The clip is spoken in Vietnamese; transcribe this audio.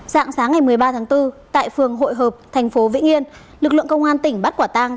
sáng sáng ngày một mươi ba tháng bốn tại phường hội hợp tp vĩnh yên lực lượng công an tỉnh bát quả tàng